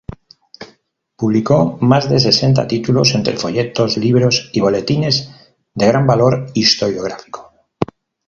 Publicó más de sesenta títulos, entre folletos, libros y boletines de gran valor historiográfico.